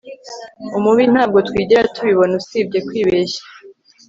Umubi Ntabwo twigera tubibona usibye kwibeshya